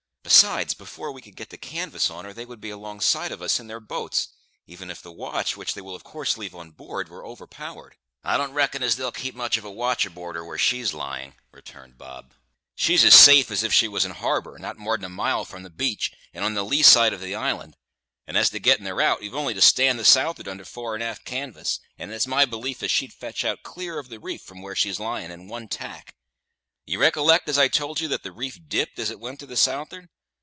Besides, before we could get the canvas on her, they would be alongside of us in their boats, even if the watch, which they will of course leave on board, were overpowered." "I don't reckon as they'll keep much of a watch aboard her where she's lying," returned Bob. "She's as safe as if she was in harbour, not more'n a mile from the beach, and on the lee side of the island; and as to gettin' her out, you've only to stand to the south'ard under fore and aft canvas, and it's my belief as she'd fetch out clear of the reef from where she's lyin' in one tack. You recollect as I told ye that the reef dipped as it went to the south'ard?